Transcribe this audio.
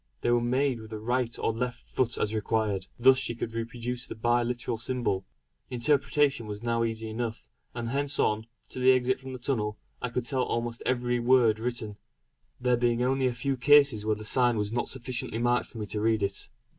They were made with the right or left foot as required; thus she could reproduce the bi literal symbol. Interpretation was now easy enough, and hence on, to the exit from the tunnel, I could tell almost every word written. There being only a few cases where the sign was not sufficiently marked for me to read it.